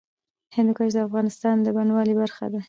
هندوکش د افغانستان د بڼوالۍ برخه ده.